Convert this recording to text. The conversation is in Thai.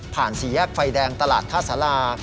สี่แยกไฟแดงตลาดท่าสารา